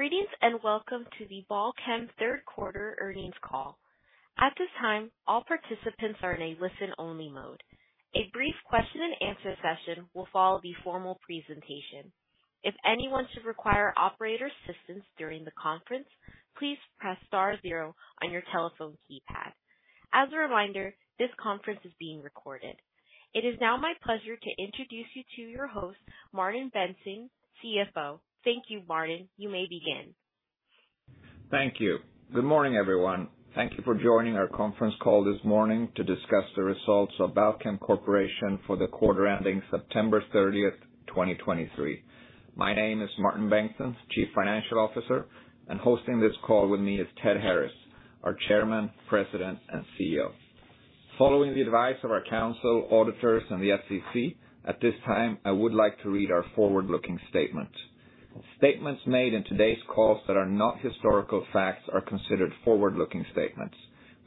Greetings, and welcome to the Balchem Q3 earnings call. At this time, all participants are in a listen-only mode. A brief question and answer session will follow the formal presentation. If anyone should require operator assistance during the conference, please press star zero on your telephone keypad. As a reminder, this conference is being recorded. It is now my pleasure to introduce you to your host, Martin Bengtsson, CFO. Thank you, Martin. You may begin. Thank you. Good morning, everyone. Thank you for joining our conference call this morning to discuss the results of Balchem Corporation for the quarter ending September 30, 2023. My name is Martin Bengtsson, Chief Financial Officer, and hosting this call with me is Ted Harris, our Chairman, President, and CEO. Following the advice of our counsel, auditors, and the SEC, at this time, I would like to read our forward-looking statement. Statements made in today's call that are not historical facts are considered forward-looking statements.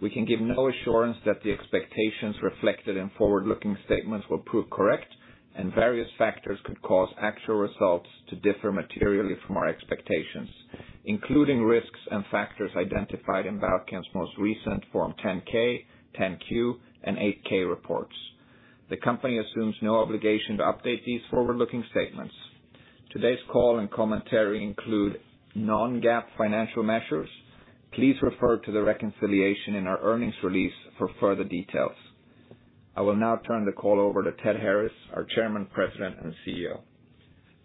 We can give no assurance that the expectations reflected in forward-looking statements will prove correct, and various factors could cause actual results to differ materially from our expectations, including risks and factors identified in Balchem's most recent Form 10-K, 10-Q, and 8-K reports. The company assumes no obligation to update these forward-looking statements. Today's call and commentary include non-GAAP financial measures. Please refer to the reconciliation in our earnings release for further details. I will now turn the call over to Ted Harris, our Chairman, President, and CEO.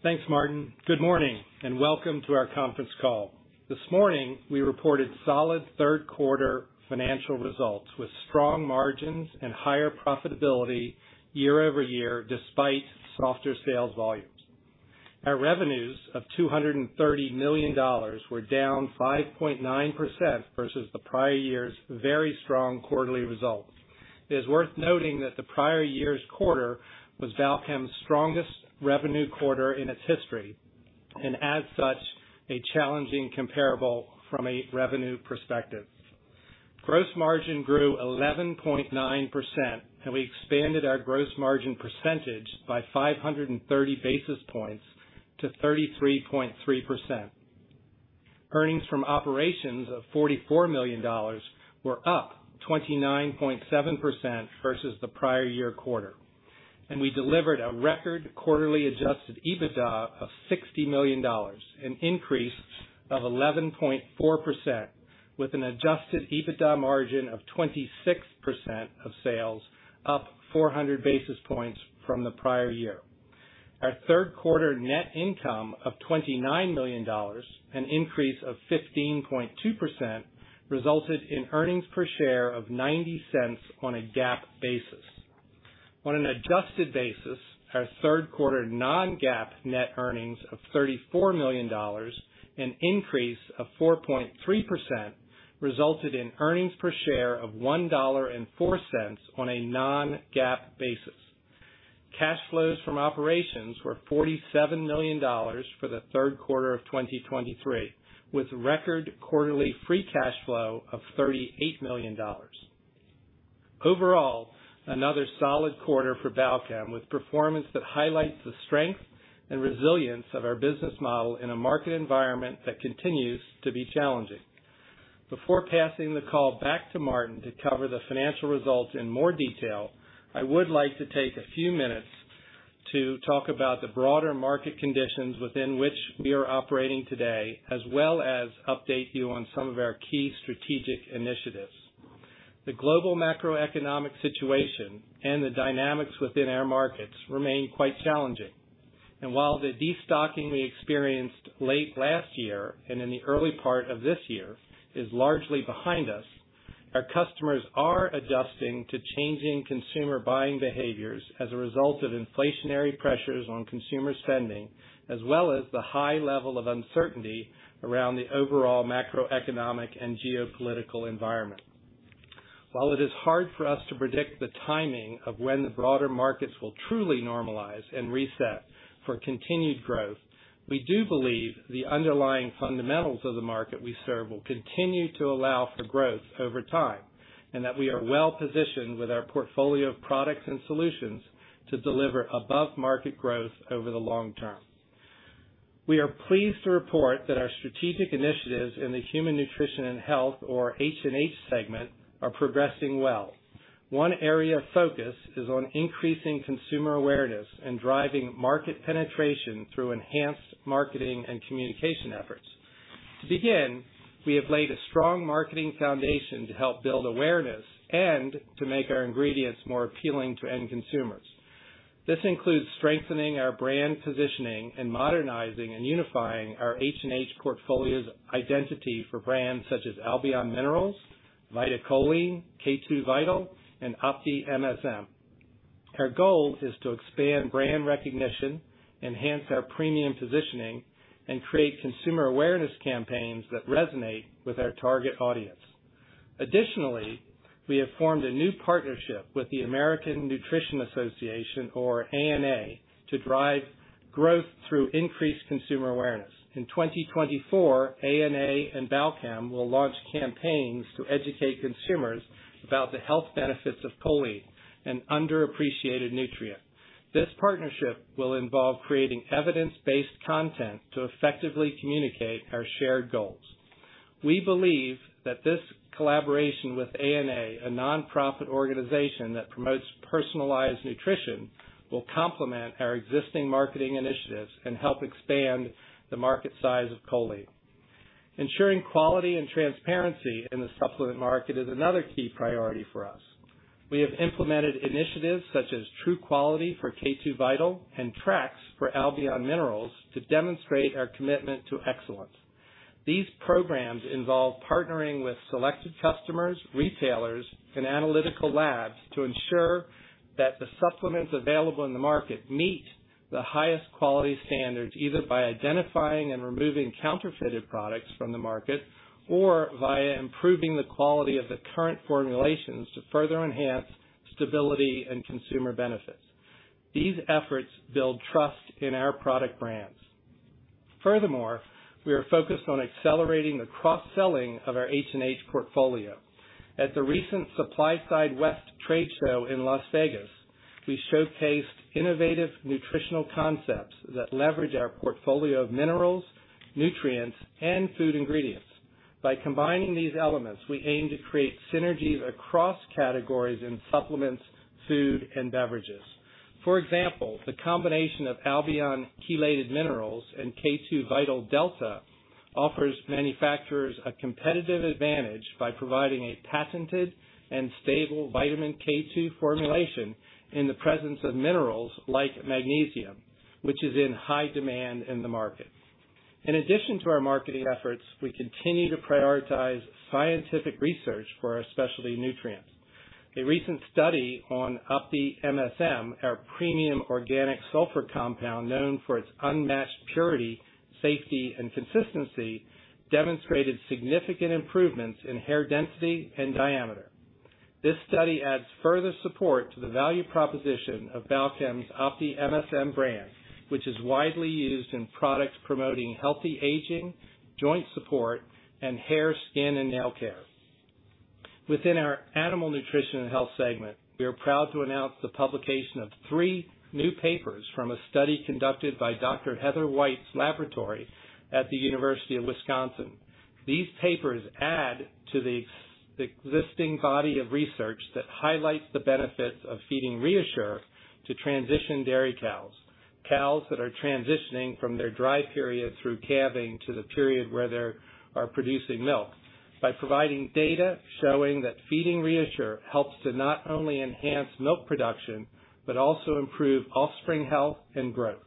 Thanks, Martin. Good morning, and welcome to our conference call. This morning, we reported solid Q3 financial results with strong margins and higher profitability year-over-year, despite softer sales volumes. Our revenues of $230 million were down 5.9% versus the prior year's very strong quarterly results. It is worth noting that the prior year's quarter was Balchem's strongest revenue quarter in its history, and as such, a challenging comparable from a revenue perspective. Gross margin grew 11.9%, and we expanded our gross margin percentage by 530 basis points to 33.3%. Earnings from operations of $44 million were up 29.7% versus the prior year quarter, and we delivered a record quarterly adjusted EBITDA of $60 million, an increase of 11.4%, with an adjusted EBITDA margin of 26% of sales, up 400 basis points from the prior year. Our Q3 net income of $29 million, an increase of 15.2%, resulted in earnings per share of $0.90 on a GAAP basis. On an adjusted basis, our Q3 non-GAAP net earnings of $34 million, an increase of 4.3%, resulted in earnings per share of $1.04 on a non-GAAP basis. Cash flows from operations were $47 million for the Q3 of 2023, with record quarterly free cash flow of $38 million. Overall, another solid quarter for Balchem, with performance that highlights the strength and resilience of our business model in a market environment that continues to be challenging. Before passing the call back to Martin to cover the financial results in more detail, I would like to take a few minutes to talk about the broader market conditions within which we are operating today, as well as update you on some of our key strategic initiatives. The global macroeconomic situation and the dynamics within our markets remain quite challenging, and while the destocking we experienced late last year and in the early part of this year is largely behind us, our customers are adjusting to changing consumer buying behaviors as a result of inflationary pressures on consumer spending, as well as the high level of uncertainty around the overall macroeconomic and geopolitical environment. While it is hard for us to predict the timing of when the broader markets will truly normalize and reset for continued growth, we do believe the underlying fundamentals of the market we serve will continue to allow for growth over time, and that we are well positioned with our portfolio of products and solutions to deliver above-market growth over the long term. We are pleased to report that our strategic initiatives in the Human Nutrition and Health, or H&H segment, are progressing well. One area of focus is on increasing consumer awareness and driving market penetration through enhanced marketing and communication efforts. To begin, we have laid a strong marketing foundation to help build awareness and to make our ingredients more appealing to end consumers. This includes strengthening our brand positioning and modernizing and unifying our H&H portfolio's identity for brands such as Albion Minerals, VitaCholine, K2VITAL, and OptiMSM. Our goal is to expand brand recognition, enhance our premium positioning, and create consumer awareness campaigns that resonate with our target audience. Additionally, we have formed a new partnership with the American Nutrition Association, or ANA, to drive growth through increased consumer awareness. In 2024, ANA and Balchem will launch campaigns to educate consumers about the health benefits of choline, an underappreciated nutrient. This partnership will involve creating evidence-based content to effectively communicate our shared goals. We believe that this collaboration with ANA, a nonprofit organization that promotes personalized nutrition, will complement our existing marketing initiatives and help expand the market size of choline. Ensuring quality and transparency in the supplement market is another key priority for us. We have implemented initiatives such as True Quality for K2VITAL and TRAACS for Albion Minerals to demonstrate our commitment to excellence. These programs involve partnering with selected customers, retailers, and analytical labs to ensure that the supplements available in the market meet the highest quality standards, either by identifying and removing counterfeited products from the market, or via improving the quality of the current formulations to further enhance stability and consumer benefits. These efforts build trust in our product brands. Furthermore, we are focused on accelerating the cross-selling of our H&H portfolio. At the recent SupplySide West trade show in Las Vegas, we showcased innovative nutritional concepts that leverage our portfolio of minerals, nutrients, and food ingredients. By combining these elements, we aim to create synergies across categories in supplements, food, and beverages. For example, the combination of Albion Minerals and K2VITAL Delta offers manufacturers a competitive advantage by providing a patented and stable vitamin K2 formulation in the presence of minerals like magnesium, which is in high demand in the market. In addition to our marketing efforts, we continue to prioritize scientific research for our specialty nutrients. A recent study on OptiMSM, our premium organic sulfur compound, known for its unmatched purity, safety, and consistency, demonstrated significant improvements in hair density and diameter. This study adds further support to the value proposition of Balchem's OptiMSM brand, which is widely used in products promoting healthy aging, joint support, and hair, skin, and nail care. Within our Animal Nutrition and Health segment, we are proud to announce the publication of three new papers from a study conducted by Dr. Heather White's laboratory at the University of Wisconsin. These papers add to the existing body of research that highlights the benefits of feeding ReaShure to transition dairy cows, cows that are transitioning from their dry period through calving to the period where they're producing milk. By providing data showing that feeding ReaShure helps to not only enhance milk production, but also improve offspring health and growth.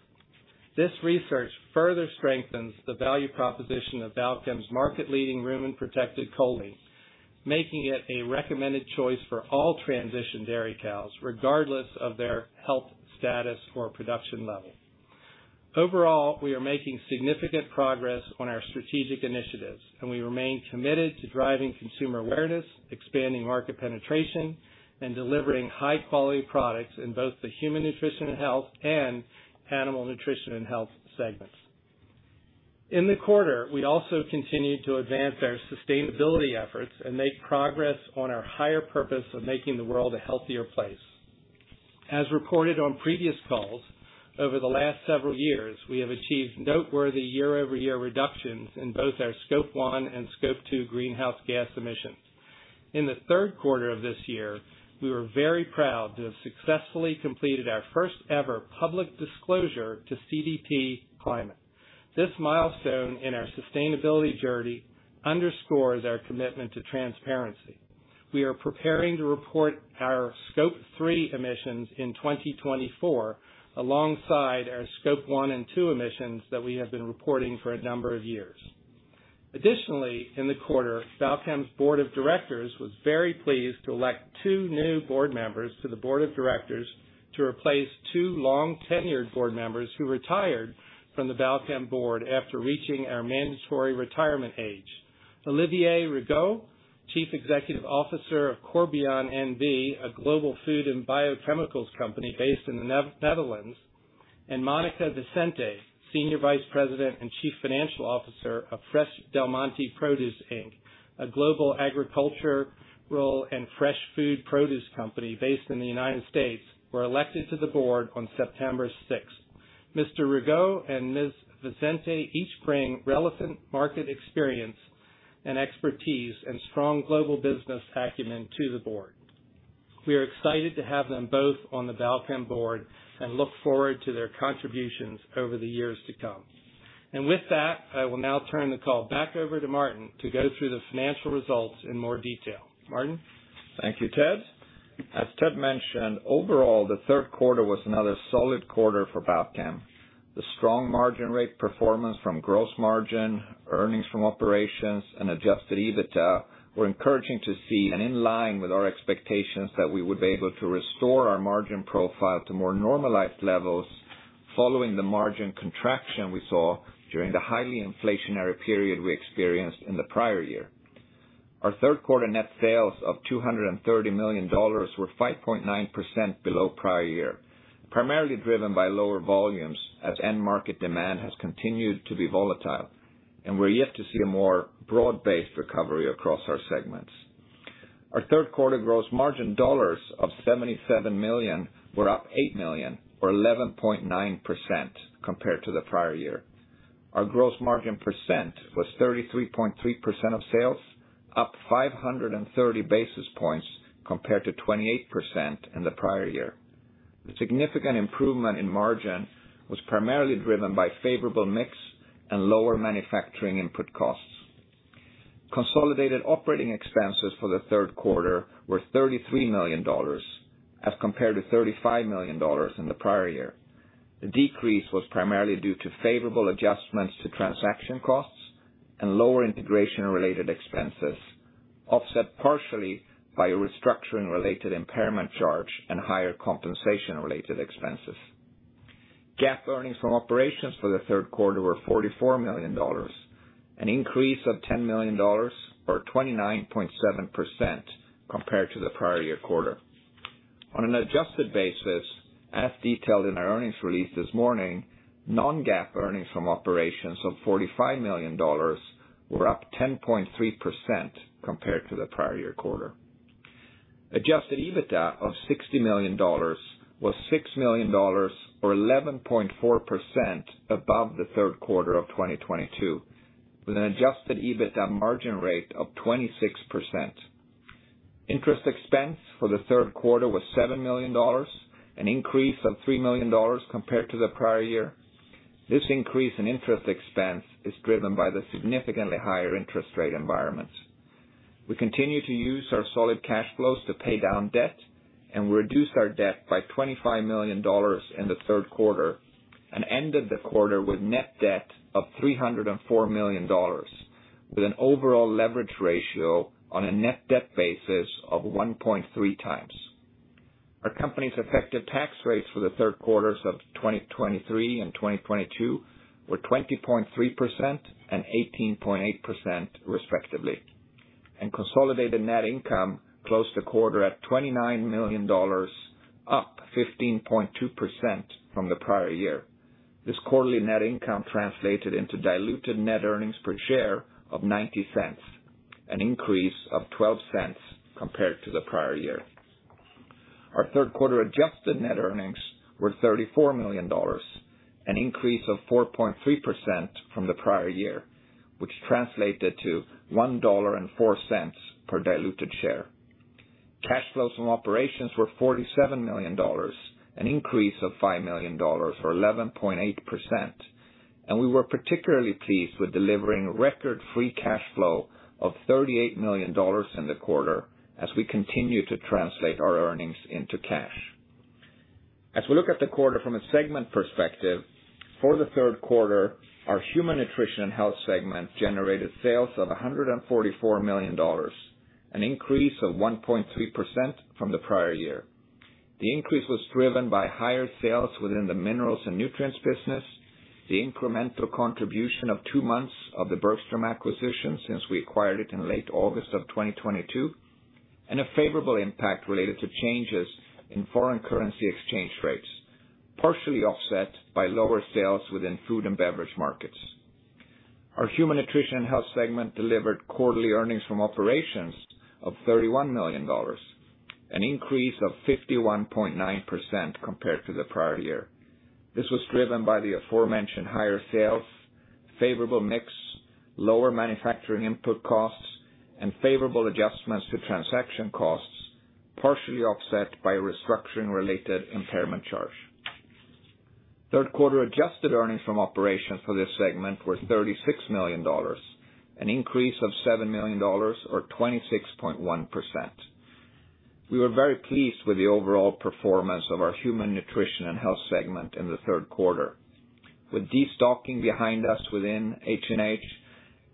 This research further strengthens the value proposition of Balchem's market-leading rumen-protected choline, making it a recommended choice for all transition dairy cows, regardless of their health status or production level. Overall, we are making significant progress on our strategic initiatives, and we remain committed to driving consumer awareness, expanding market penetration, and delivering high-quality products in both the human nutrition and health and animal nutrition and health segments. In the quarter, we also continued to advance our sustainability efforts and make progress on our higher purpose of making the world a healthier place. As reported on previous calls, over the last several years, we have achieved noteworthy year-over-year reductions in both our Scope 1 and Scope 2 greenhouse gas emissions. In the Q3 of this year, we were very proud to have successfully completed our first-ever public disclosure to CDP Climate. This milestone in our sustainability journey underscores our commitment to transparency. We are preparing to report our Scope 3 emissions in 2024, alongside our Scope 1 and 2 emissions that we have been reporting for a number of years. Additionally, in the quarter, Balchem's board of directors was very pleased to elect two new board members to the board of directors to replace two long-tenured board members who retired from the Balchem board after reaching our mandatory retirement age. Olivier Rigaud, Chief Executive Officer of Corbion N.V., a global food and biochemicals company based in the Netherlands, and Monica Vicente, Senior Vice President and Chief Financial Officer of Fresh Del Monte Produce, Inc., a global agricultural and fresh food produce company based in the United States, were elected to the board on September sixth. Mr. Rigaud and Ms. Vicente each bring relevant market experience and expertise and strong global business acumen to the board. We are excited to have them both on the Balchem board and look forward to their contributions over the years to come. With that, I will now turn the call back over to Martin to go through the financial results in more detail. Martin? Thank you, Ted. As Ted mentioned, overall, the Q3 was another solid quarter for Balchem. The strong margin rate performance from gross margin, earnings from operations, and Adjusted EBITDA were encouraging to see and in line with our expectations that we would be able to restore our margin profile to more normalized levels following the margin contraction we saw during the highly inflationary period we experienced in the prior year. Our Q3 net sales of $230 million were 5.9% below prior year, primarily driven by lower volumes as end market demand has continued to be volatile, and we're yet to see a more broad-based recovery across our segments. Our Q3 gross margin dollars of $77 million were up $8 million, or 11.9% compared to the prior year. Our gross margin percent was 33.3% of sales, up 530 basis points compared to 28% in the prior year. The significant improvement in margin was primarily driven by favorable mix and lower manufacturing input costs. Consolidated operating expenses for the Q3 were $33 million, as compared to $35 million in the prior year. The decrease was primarily due to favorable adjustments to transaction costs and lower integration-related expenses, offset partially by a restructuring-related impairment charge and higher compensation-related expenses. GAAP earnings from operations for the Q3 were $44 million, an increase of $10 million, or 29.7% compared to the prior year quarter. On an adjusted basis, as detailed in our earnings release this morning, non-GAAP earnings from operations of $45 million were up 10.3% compared to the prior year quarter. Adjusted EBITDA of $60 million was $6 million, or 11.4% above the Q3 of 2022, with an adjusted EBITDA margin rate of 26%. Interest expense for the Q3 was $7 million, an increase of $3 million compared to the prior year. This increase in interest expense is driven by the significantly higher interest rate environments. We continue to use our solid cash flows to pay down debt and reduce our debt by $25 million in the Q3, and ended the quarter with net debt of $304 million, with an overall leverage ratio on a net debt basis of 1.3 times. Our company's effective tax rates for the Q3s of 2023 and 2022 were 20.3% and 18.8%, respectively. Consolidated net income closed the quarter at $29 million, up 15.2% from the prior year. This quarterly net income translated into diluted net earnings per share of $0.90, an increase of $0.12 compared to the prior year. Our Q3 adjusted net earnings were $34 million, an increase of 4.3% from the prior year, which translated to $1.04 per diluted share. Cash flows from operations were $47 million, an increase of $5 million, or 11.8%. We were particularly pleased with delivering record free cash flow of $38 million in the quarter as we continue to translate our earnings into cash. As we look at the quarter from a segment perspective, for the third Q3, our human nutrition and health segment generated sales of $144 million, an increase of 1.3% from the prior year. The increase was driven by higher sales within the minerals and nutrients business, the incremental contribution of two months of the Bergstrom acquisition since we acquired it in late August of 2022, and a favorable impact related to changes in foreign currency exchange rates, partially offset by lower sales within food and beverage markets. Our human nutrition and health segment delivered quarterly earnings from operations of $31 million, an increase of 51.9% compared to the prior year. This was driven by the aforementioned higher sales, favorable mix, lower manufacturing input costs, and favorable adjustments to transaction costs, partially offset by a restructuring-related impairment charge. Q3 adjusted earnings from operations for this segment were $36 million, an increase of $7 million, or 26.1%. We were very pleased with the overall performance of our human nutrition and health segment in the Q3. With destocking behind us within H&H,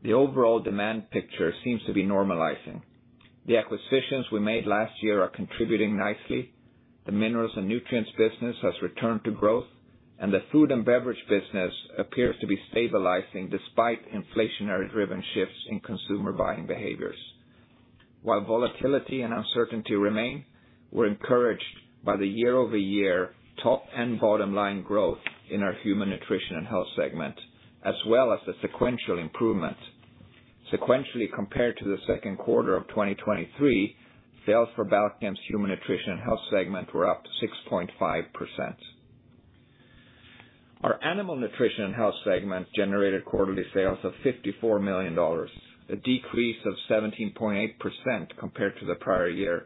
the overall demand picture seems to be normalizing. The acquisitions we made last year are contributing nicely. The minerals and nutrients business has returned to growth, and the food and beverage business appears to be stabilizing despite inflationary-driven shifts in consumer buying behaviors. While volatility and uncertainty remain, we're encouraged by the year-over-year top and bottom line growth in our human nutrition and health segment, as well as the sequential improvement. Sequentially, compared to the Q2 of 2023, sales for Balchem's human nutrition and health segment were up 6.5%. Our Animal Nutrition and Health segment generated quarterly sales of $54 million, a decrease of 17.8% compared to the prior year,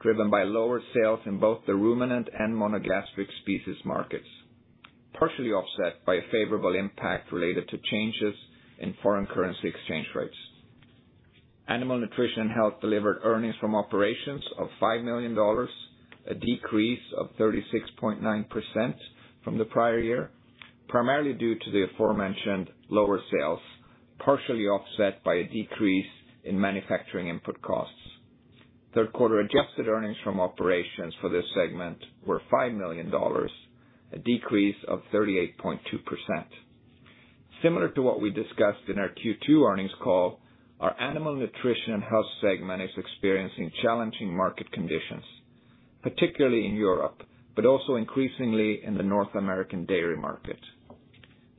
driven by lower sales in both the ruminant and monogastric species markets, partially offset by a favorable impact related to changes in foreign currency exchange rates. Animal Nutrition and Health delivered earnings from operations of $5 million, a decrease of 36.9% from the prior year, primarily due to the aforementioned lower sales, partially offset by a decrease in manufacturing input costs. Q3 adjusted earnings from operations for this segment were $5 million, a decrease of 38.2%. Similar to what we discussed in our Q2 earnings call, our animal nutrition and health segment is experiencing challenging market conditions, particularly in Europe, but also increasingly in the North American dairy market....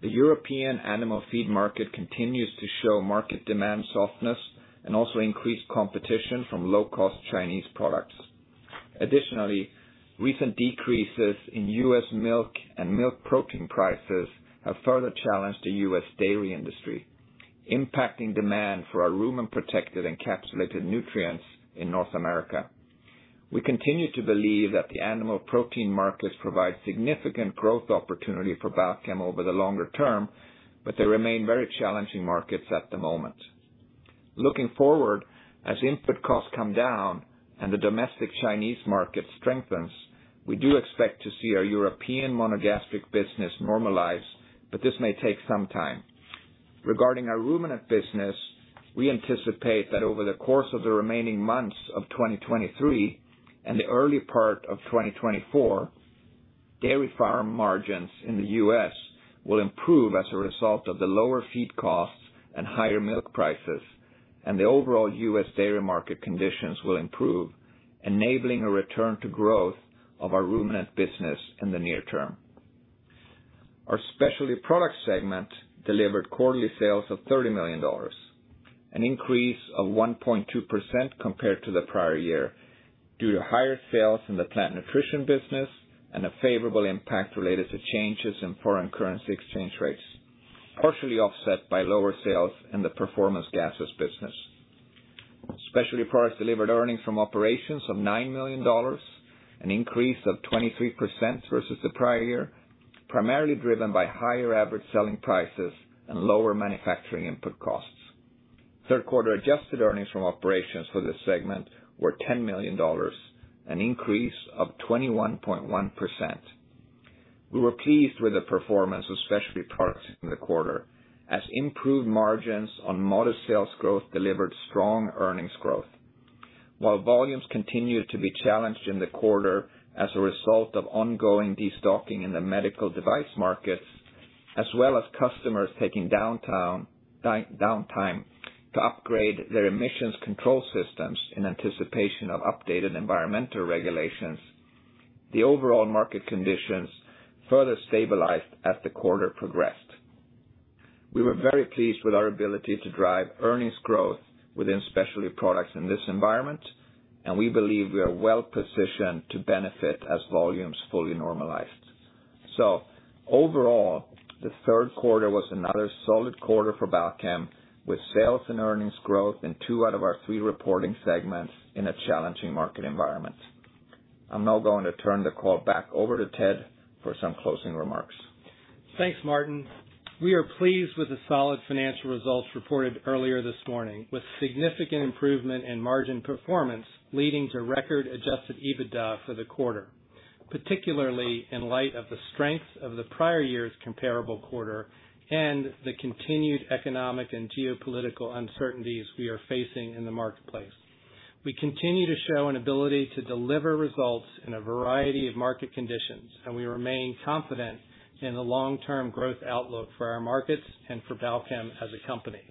The European animal feed market continues to show market demand softness and also increased competition from low-cost Chinese products. Additionally, recent decreases in U.S. milk and milk protein prices have further challenged the U.S. dairy industry, impacting demand for our rumen-protected encapsulated nutrients in North America. We continue to believe that the animal protein markets provide significant growth opportunity for Balchem over the longer term, but they remain very challenging markets at the moment. Looking forward, as input costs come down and the domestic Chinese market strengthens, we do expect to see our European monogastric business normalize, but this may take some time. Regarding our ruminant business, we anticipate that over the course of the remaining months of 2023 and the early part of 2024, dairy farm margins in the U.S. will improve as a result of the lower feed costs and higher milk prices, and the overall U.S. dairy market conditions will improve, enabling a return to growth of our ruminant business in the near term. Our specialty products segment delivered quarterly sales of $30 million, an increase of 1.2% compared to the prior year, due to higher sales in the plant nutrition business and a favorable impact related to changes in foreign currency exchange rates, partially offset by lower sales in the performance gases business. Specialty products delivered earnings from operations of $9 million, an increase of 23% versus the prior year, primarily driven by higher average selling prices and lower manufacturing input costs. Q3 adjusted earnings from operations for this segment were $10 million, an increase of 21.1%. We were pleased with the performance of specialty products in the quarter, as improved margins on modest sales growth delivered strong earnings growth. While volumes continued to be challenged in the quarter as a result of ongoing destocking in the medical device markets, as well as customers taking downtime to upgrade their emissions control systems in anticipation of updated environmental regulations, the overall market conditions further stabilized as the quarter progressed. We were very pleased with our ability to drive earnings growth within specialty products in this environment, and we believe we are well positioned to benefit as volumes fully normalize. So overall, the Q3 was another solid quarter for Balchem, with sales and earnings growth in two out of our three reporting segments in a challenging market environment. I'm now going to turn the call back over to Ted for some closing remarks. Thanks, Martin. We are pleased with the solid financial results reported earlier this morning, with significant improvement in margin performance, leading to record Adjusted EBITDA for the quarter. Particularly, in light of the strength of the prior year's comparable quarter and the continued economic and geopolitical uncertainties we are facing in the marketplace. We continue to show an ability to deliver results in a variety of market conditions, and we remain confident in the long-term growth outlook for our markets and for Balchem as a company.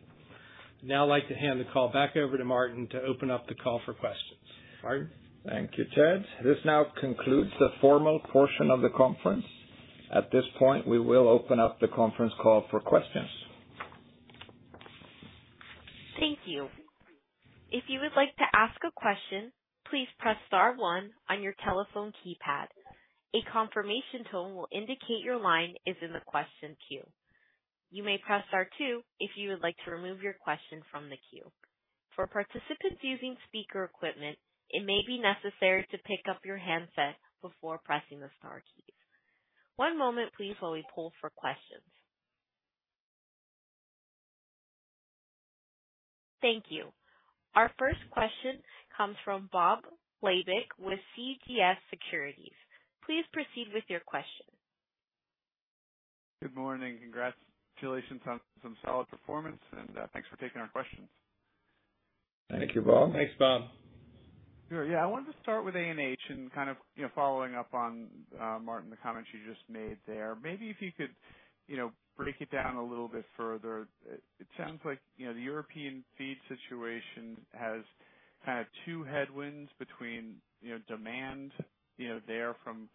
I'd now like to hand the call back over to Martin to open up the call for questions. Martin? Thank you, Ted. This now concludes the formal portion of the conference. At this point, we will open up the conference call for questions. Thank you. If you would like to ask a question, please press star one on your telephone keypad. A confirmation tone will indicate your line is in the question queue. You may press star two if you would like to remove your question from the queue. For participants using speaker equipment, it may be necessary to pick up your handset before pressing the star keys. One moment, please, while we poll for questions. Thank you. Our first question comes from Bob Labick with CJS Securities. Please proceed with your question. Good morning. Congratulations on some solid performance, and, thanks for taking our questions. Thank you, Bob. Thanks, Bob. Sure. Yeah, I wanted to start with ANH and kind of, you know, following up on, Martin, the comments you just made there. Maybe if you could, you know, break it down a little bit further. It sounds like, you know, the European feed situation has kind of two headwinds between, you know, demand, you know, there from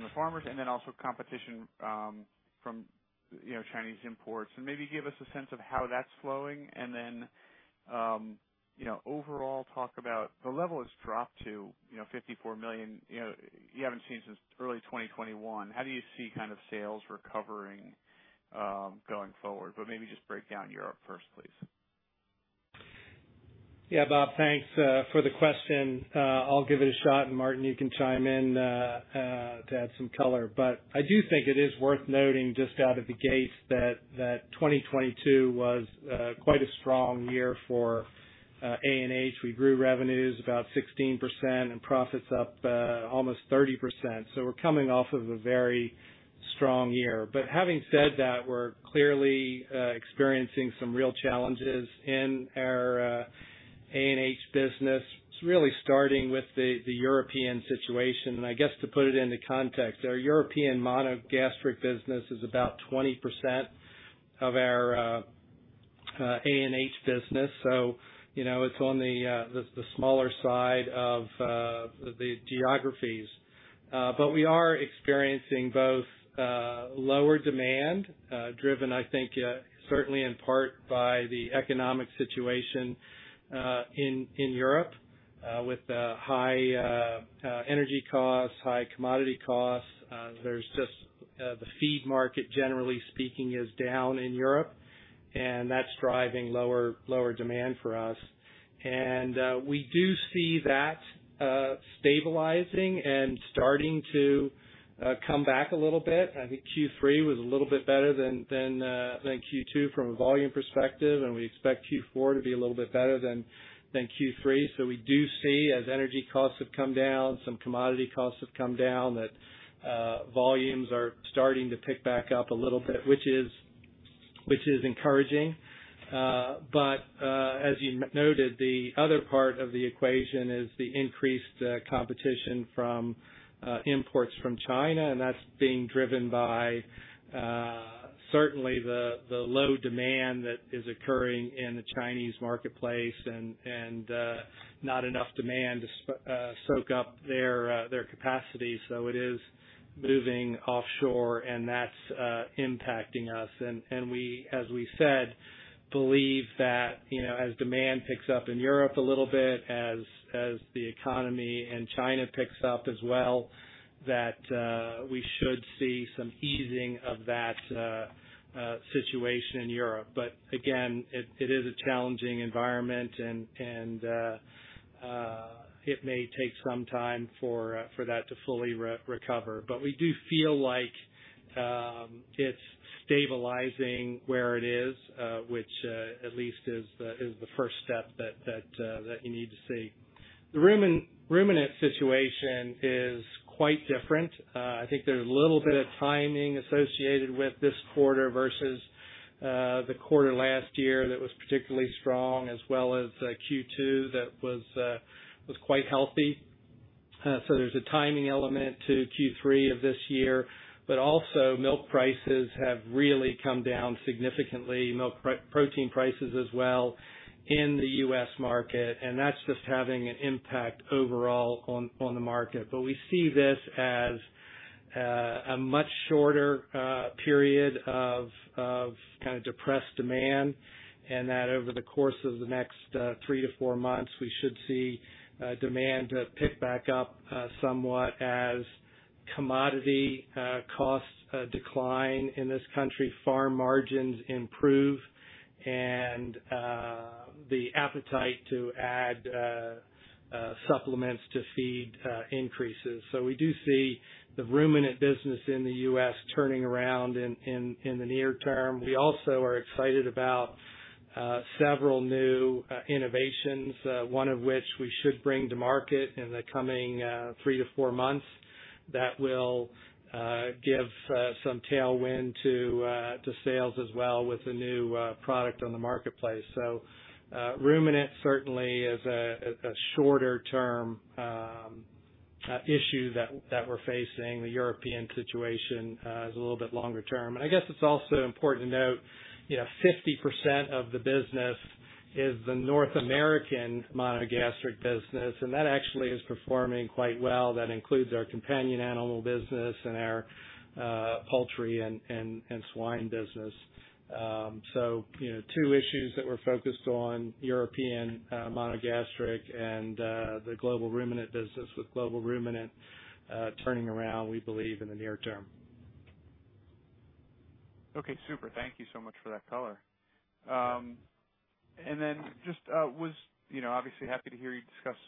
the farmers, and then also competition, from, you know, Chinese imports. And maybe give us a sense of how that's flowing, and then, you know, overall talk about the level has dropped to, you know, $54 million, you know, you haven't seen since early 2021. How do you see kind of sales recovering, going forward? But maybe just break down Europe first, please. Yeah, Bob, thanks for the question. I'll give it a shot, and Martin, you can chime in to add some color. But I do think it is worth noting just out of the gate that 2022 was quite a strong year for ANH. We grew revenues about 16% and profits up almost 30%. So we're coming off of a very strong year. But having said that, we're clearly experiencing some real challenges in our ANH business. It's really starting with the European situation, and I guess to put it into context, our European monogastric business is about 20% of our ANH business. So, you know, it's on the smaller side of the geographies. But we are experiencing both lower demand driven, I think, certainly in part by the economic situation in Europe with the high energy costs, high commodity costs. There's just the feed market, generally speaking, is down in Europe, and that's driving lower demand for us. And we do see that stabilizing and starting to come back a little bit. I think Q3 was a little bit better than Q2 from a volume perspective, and we expect Q4 to be a little bit better than Q3. So we do see, as energy costs have come down, some commodity costs have come down, that volumes are starting to pick back up a little bit, which is encouraging. But as you noted, the other part of the equation is the increased competition from imports from China, and that's being driven by certainly the low demand that is occurring in the Chinese marketplace and not enough demand to soak up their capacity. So it is moving offshore, and that's impacting us. And we, as we said, believe that, you know, as demand picks up in Europe a little bit, as the economy in China picks up as well, that we should see some easing of that situation in Europe. But again, it is a challenging environment and it may take some time for that to fully recover. But we do feel like, it's stabilizing where it is, which, at least is the first step that you need to see. The ruminant situation is quite different. I think there's a little bit of timing associated with this quarter versus the quarter last year that was particularly strong, as well as Q2 that was quite healthy. So there's a timing element to Q3 of this year, but also, milk prices have really come down significantly, milk protein prices as well in the U.S. market, and that's just having an impact overall on the market. But we see this as a much shorter period of kind of depressed demand, and that over the course of the next 3-4 months, we should see demand pick back up somewhat as commodity costs decline in this country, farm margins improve, and the appetite to add supplements to feed increases. So we do see the ruminant business in the U.S. turning around in the near term. We also are excited about several new innovations, one of which we should bring to market in the coming 3-4 months. That will give some tailwind to sales as well, with the new product on the marketplace. So ruminant certainly is a shorter-term issue that we're facing. The European situation is a little bit longer term. I guess it's also important to note, you know, 50% of the business is the North American monogastric business, and that actually is performing quite well. That includes our companion animal business and our poultry and swine business. So, you know, two issues that we're focused on, European monogastric and the global ruminant business, with global ruminant turning around, we believe, in the near term. Okay, super. Thank you so much for that color. Thank you so much for that color. You know, obviously happy to hear you discuss,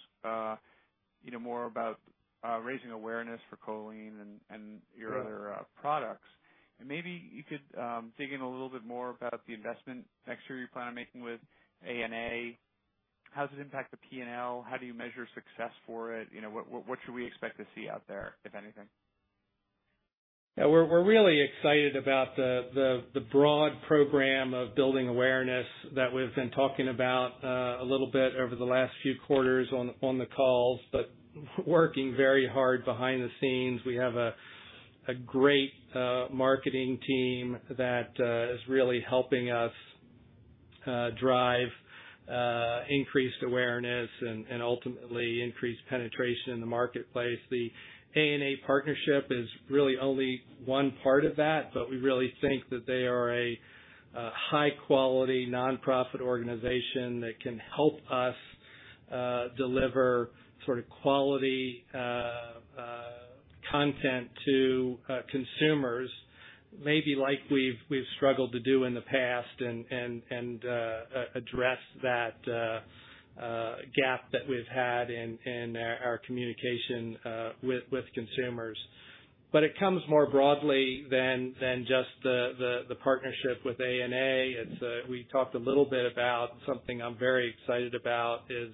you know, more about raising awareness for choline and, and- Right. Your other products. And maybe you could dig in a little bit more about the investment next year you plan on making with ANA. How does it impact the P&L? How do you measure success for it? You know, what should we expect to see out there, if anything? Yeah, we're really excited about the broad program of building awareness that we've been talking about a little bit over the last few quarters on the calls. But working very hard behind the scenes, we have a great marketing team that is really helping us drive increased awareness and ultimately increased penetration in the marketplace. The ANH partnership is really only one part of that, but we really think that they are a high-quality nonprofit organization that can help us deliver sort of quality content to consumers, maybe like we've struggled to do in the past and address that gap that we've had in our communication with consumers. But it comes more broadly than just the partnership with ANH. It's, we talked a little bit about something I'm very excited about is,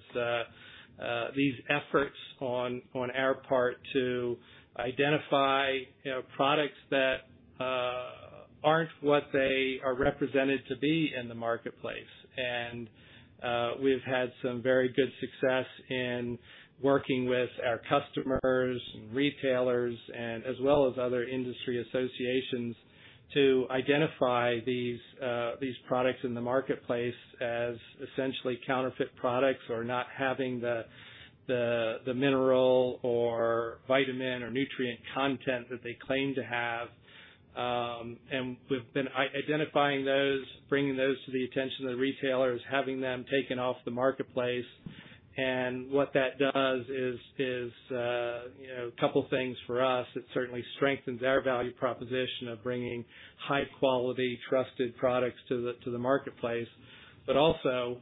these efforts on our part to identify, you know, products that aren't what they are represented to be in the marketplace. And, we've had some very good success in working with our customers and retailers, and as well as other industry associations, to identify these, these products in the marketplace as essentially counterfeit products or not having the mineral or vitamin or nutrient content that they claim to have. And we've been identifying those, bringing those to the attention of the retailers, having them taken off the marketplace. And what that does is, you know, a couple things for us. It certainly strengthens our value proposition of bringing high quality, trusted products to the marketplace, but also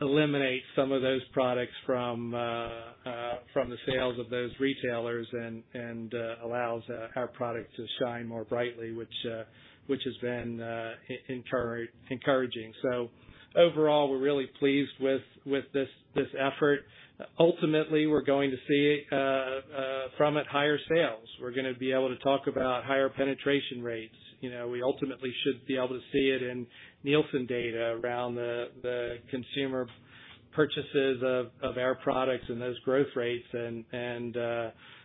eliminates some of those products from the sales of those retailers and allows our product to shine more brightly, which has been encouraging. So overall, we're really pleased with this effort. Ultimately, we're going to see from it higher sales. We're gonna be able to talk about higher penetration rates. You know, we ultimately should be able to see it in Nielsen data around the consumer purchases of our products and those growth rates. And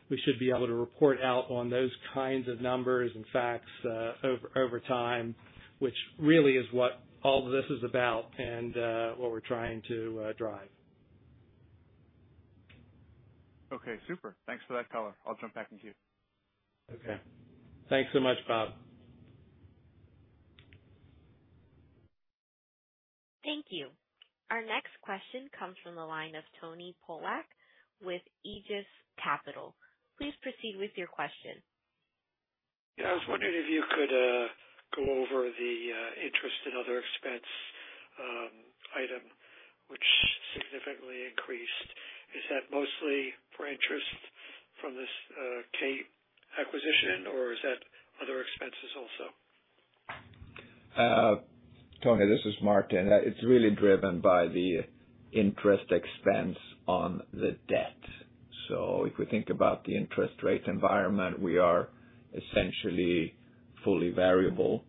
we should be able to report out on those kinds of numbers and facts over time, which really is what all of this is about and what we're trying to drive. Okay, super. Thanks for that, Tyler. I'll jump back in queue. Okay. Thanks so much, Bob. Thank you. Our next question comes from the line of Tony Polak with Aegis Capital. Please proceed with your question. Yeah, I was wondering if you could go over the interest and other expense item, which significantly increased. Is that mostly for interest from this acquisition, or is that other expenses also? Tony, this is Martin. It's really driven by the interest expense on the debt. So if we think about the interest rate environment, we are essentially fully variable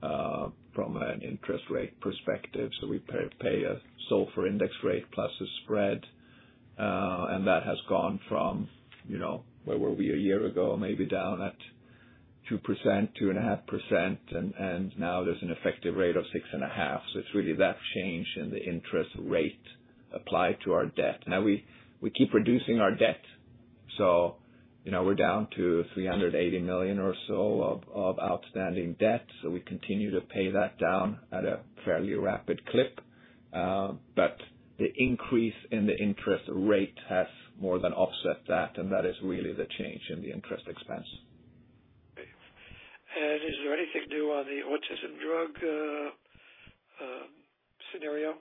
from an interest rate perspective. So we pay a SOFR index rate plus a spread. And that has gone from, you know, where were we a year ago? Maybe down at 2%, 2.5%, and now there's an effective rate of 6.5%. So it's really that change in the interest rate applied to our debt. Now, we keep reducing our debt, so, you know, we're down to $380 million or so of outstanding debt, so we continue to pay that down at a fairly rapid clip. But the increase in the interest rate has more than offset that, and that is really the change in the interest expense. Is there anything new on the autism drug scenario?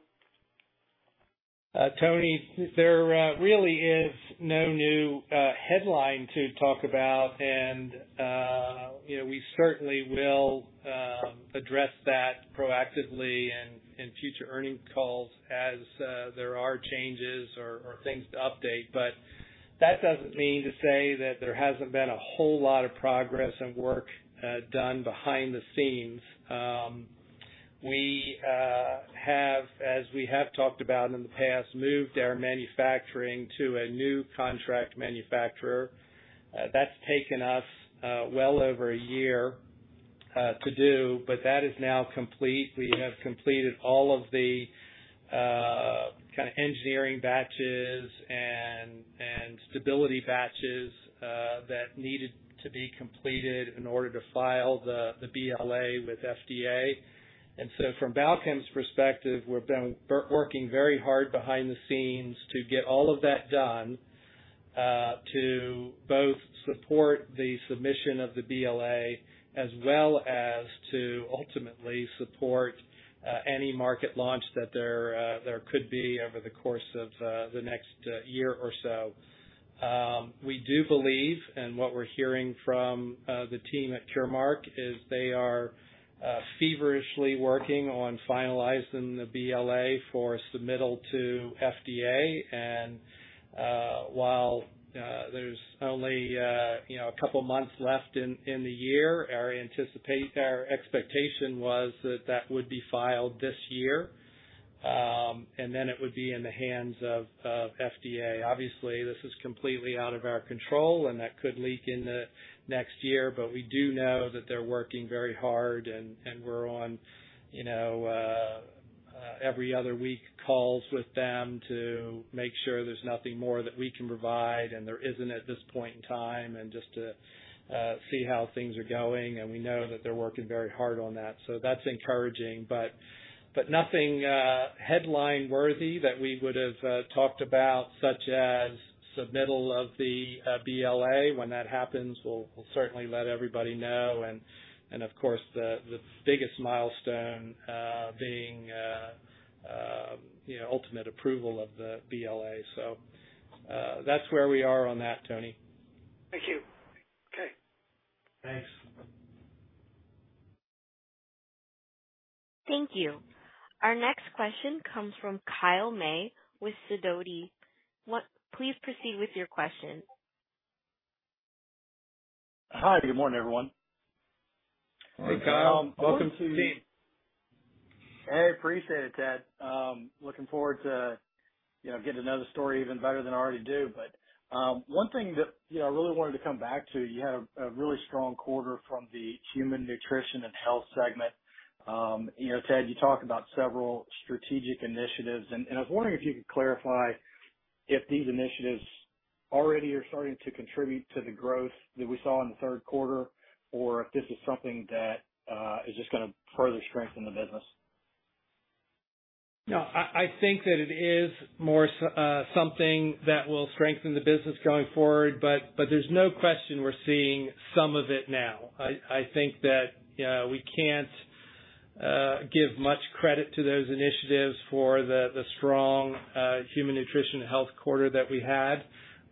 Tony, there really is no new headline to talk about, and you know, we certainly will address that proactively in future earnings calls as there are changes or things to update. But that doesn't mean to say that there hasn't been a whole lot of progress and work done behind the scenes. We have, as we have talked about in the past, moved our manufacturing to a new contract manufacturer. That's taken us well over a year to do, but that is now complete. We have completed all of the kind of engineering batches and stability batches that needed to be completed in order to file the BLA with FDA. And so from Balchem's perspective, we've been working very hard behind the scenes to get all of that done, to both support the submission of the BLA, as well as to ultimately support any market launch that there, there could be over the course of the next year or so. We do believe, and what we're hearing from the team at Curemark, is they are feverishly working on finalizing the BLA for submittal to FDA. And while there's only, you know, a couple months left in the year, our expectation was that that would be filed this year, and then it would be in the hands of FDA. Obviously, this is completely out of our control, and that could leak in the next year, but we do know that they're working very hard, and we're on, you know, every other week calls with them to make sure there's nothing more that we can provide, and there isn't at this point in time, and just to see how things are going. And we know that they're working very hard on that. So that's encouraging, but nothing headline worthy that we would've talked about, such as submittal of the BLA. When that happens, we'll certainly let everybody know. And, of course, the biggest milestone being, you know, ultimate approval of the BLA. So, that's where we are on that, Tony. Thank you. Okay. Thanks.... Thank you. Our next question comes from Kyle May with Sidoti. Please proceed with your question. Hi, good morning, everyone. Hey, Kyle. Welcome to you. Hey, appreciate it, Ted. Looking forward to, you know, getting to know the story even better than I already do. But, one thing that, you know, I really wanted to come back to, you had a really strong quarter from the human nutrition and health segment. You know, Ted, you talked about several strategic initiatives, and I was wondering if you could clarify if these initiatives already are starting to contribute to the growth that we saw in the Q3, or if this is something that is just gonna further strengthen the business? No, I think that it is more something that will strengthen the business going forward, but there's no question we're seeing some of it now. I think that we can't give much credit to those initiatives for the strong human nutrition health quarter that we had,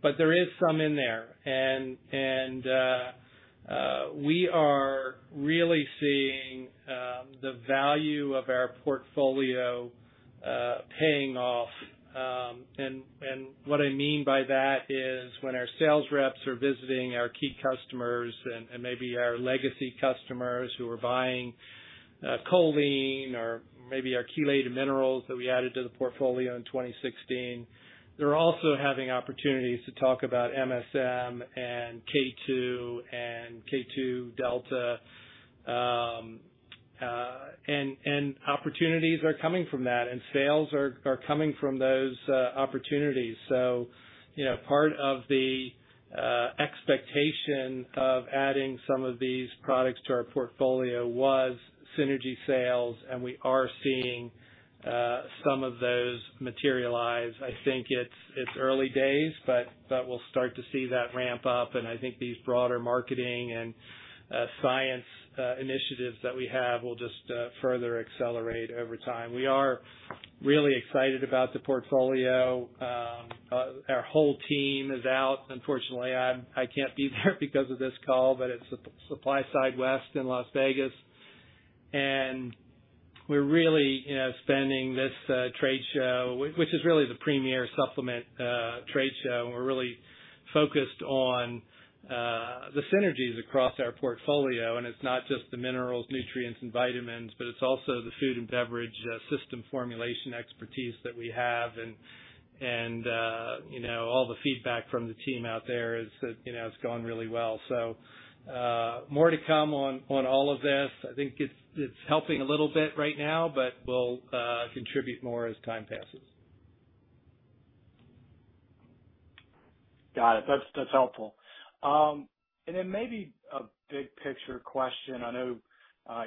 but there is some in there. And we are really seeing the value of our portfolio paying off. And what I mean by that is when our sales reps are visiting our key customers and maybe our legacy customers who are buying choline or maybe our chelated minerals that we added to the portfolio in 2016, they're also having opportunities to talk about MSM and K2 and K2 Delta. Opportunities are coming from that, and sales are coming from those opportunities. You know, part of the expectation of adding some of these products to our portfolio was synergy sales, and we are seeing some of those materialize. I think it's early days, but we'll start to see that ramp up, and I think these broader marketing and science initiatives that we have will just further accelerate over time. We are really excited about the portfolio. Our whole team is out. Unfortunately, I'm... I can't be there because of this call, but it's SupplySide West in Las Vegas, and we're really, you know, spending this trade show, which is really the premier supplement trade show, and we're really focused on the synergies across our portfolio. It's not just the minerals, nutrients, and vitamins, but it's also the food and beverage system formulation expertise that we have. And you know, all the feedback from the team out there is that, you know, it's going really well. So, more to come on all of this. I think it's helping a little bit right now, but will contribute more as time passes. Got it. That's, that's helpful. And then maybe a big picture question. I know,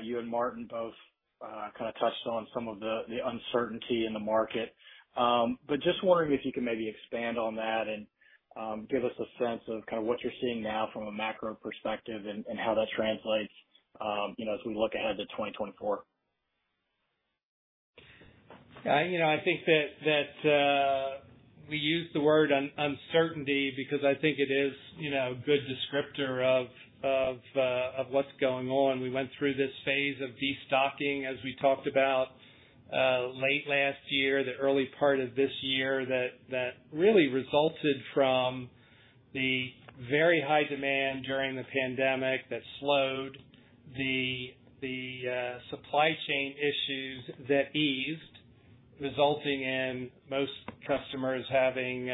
you and Martin both, kind of touched on some of the, the uncertainty in the market. But just wondering if you could maybe expand on that and, give us a sense of kind of what you're seeing now from a macro perspective and, and how that translates, you know, as we look ahead to 2024. You know, I think that we use the word uncertainty because I think it is, you know, a good descriptor of what's going on. We went through this phase of destocking, as we talked about, late last year, the early part of this year, that really resulted from the very high demand during the pandemic that slowed the supply chain issues that eased, resulting in most customers having,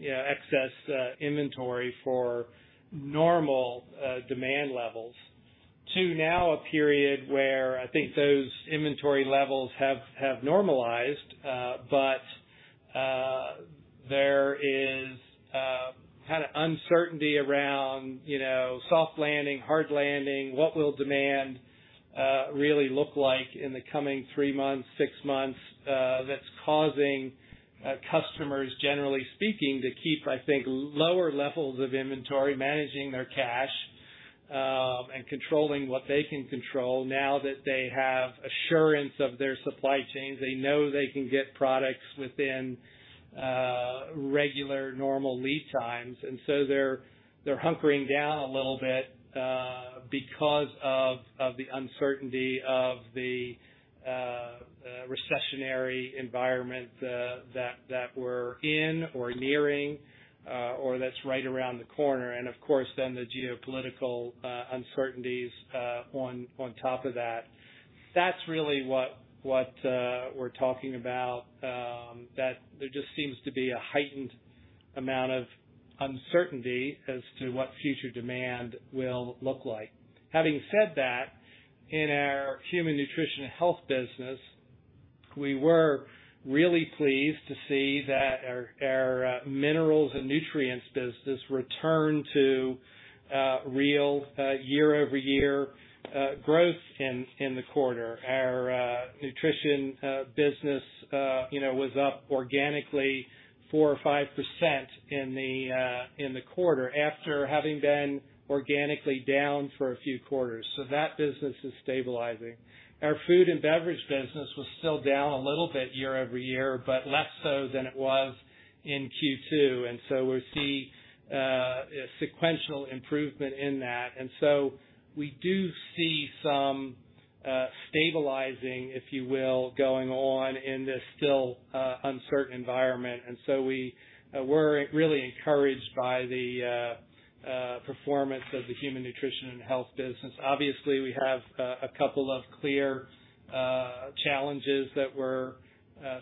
you know, excess inventory for normal demand levels. To now a period where I think those inventory levels have normalized, but there is kind of uncertainty around, you know, soft landing, hard landing, what will demand really look like in the coming three months, six months, that's causing customers, generally speaking, to keep, I think, lower levels of inventory, managing their cash, and controlling what they can control now that they have assurance of their supply chains. They know they can get products within regular, normal lead times, and so they're hunkering down a little bit because of the uncertainty of the recessionary environment that we're in or nearing or that's right around the corner, and of course, then the geopolitical uncertainties on top of that. That's really what we're talking about, that there just seems to be a heightened amount of uncertainty as to what future demand will look like. Having said that, in our human nutrition and health business, we were really pleased to see that our minerals and nutrients business return to real year-over-year growth in the quarter. Our nutrition business, you know, was up organically 4% or 5% in the quarter, after having been organically down for a few quarters. So that business is stabilizing. Our food and beverage business was still down a little bit year over year, but less so than it was in Q2, and we're seeing a sequential improvement in that. We do see some stabilizing, if you will, going on in this still uncertain environment. So we're really encouraged by the performance of the human nutrition and health business. Obviously, we have a couple of clear challenges that we're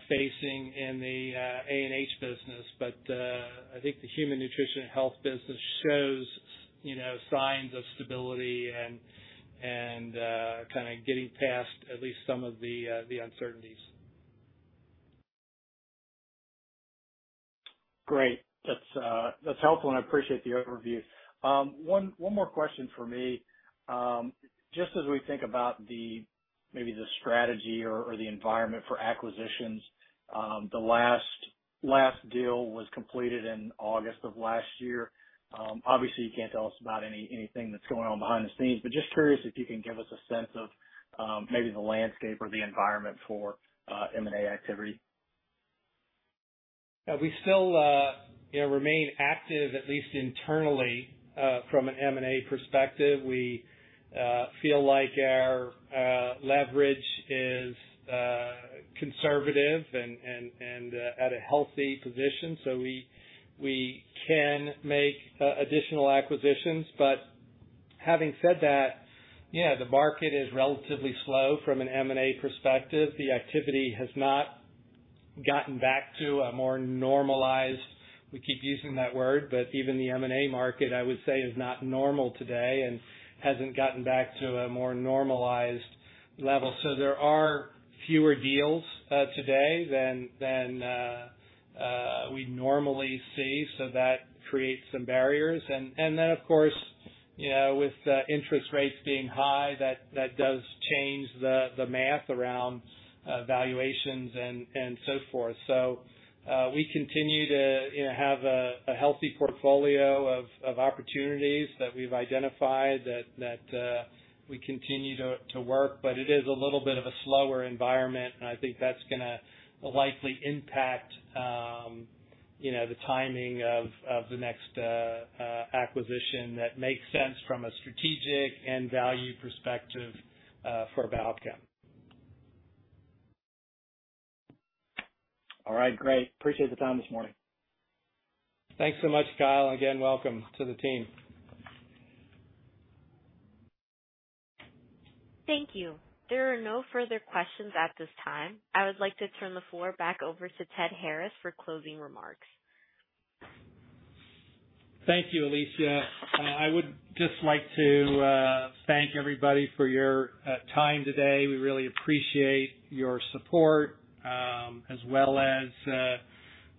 facing in the ANH business, but I think the human nutrition and health business shows, you know, signs of stability and kind of getting past at least some of the uncertainties. Great. That's, that's helpful, and I appreciate the overview. One, one more question for me. Just as we think about the, maybe the strategy or, or the environment for acquisitions, the last, last deal was completed in August of last year. Obviously, you can't tell us about any-anything that's going on behind the scenes, but just curious if you can give us a sense of, maybe the landscape or the environment for, M&A activity. Yeah, we still, you know, remain active, at least internally, from an M&A perspective. We feel like our leverage is conservative and at a healthy position, so we can make additional acquisitions. But having said that, yeah, the market is relatively slow from an M&A perspective. The activity has not gotten back to a more normalized... We keep using that word, but even the M&A market, I would say, is not normal today and hasn't gotten back to a more normalized level. So there are fewer deals today than we normally see, so that creates some barriers. And then, of course, you know, with interest rates being high, that does change the math around valuations and so forth. We continue to, you know, have a healthy portfolio of opportunities that we've identified that we continue to work, but it is a little bit of a slower environment, and I think that's gonna likely impact, you know, the timing of the next acquisition that makes sense from a strategic and value perspective, for Balchem. All right, great. Appreciate the time this morning. Thanks so much, Kyle, and again, welcome to the team. Thank you. There are no further questions at this time. I would like to turn the floor back over to Ted Harris for closing remarks. Thank you, Alicia. I would just like to thank everybody for your time today. We really appreciate your support, as well as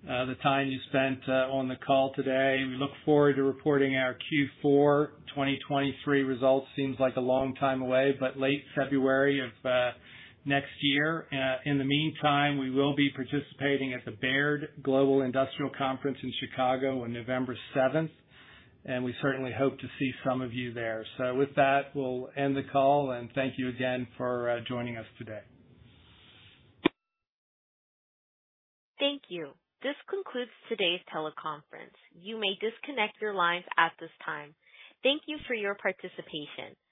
the time you spent on the call today. We look forward to reporting our Q4 2023 results. Seems like a long time away, but late February of next year. In the meantime, we will be participating at the Baird Global Industrial Conference in Chicago on November 7, and we certainly hope to see some of you there. So with that, we'll end the call and thank you again for joining us today. Thank you. This concludes today's teleconference. You may disconnect your lines at this time. Thank you for your participation.